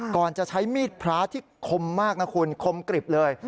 ก่อนจะใช้มีดพระที่คมมากนะคุณคมกริบเลย